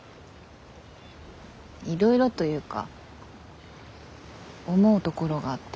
いろいろというか思うところがあって。